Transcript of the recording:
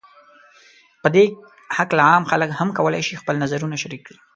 په دې هکله عام خلک هم کولای شي خپل نظرونو شریک کړي